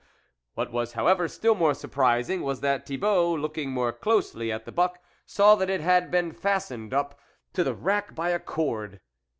What was, however, still more surprising was that Thibault, looking more closely at the buck, saw that it had been fastened up to the rack by a cord.